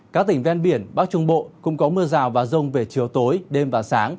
các tỉnh ven biển bắc trung bộ cũng có mưa rào và rông về chiều tối đêm và sáng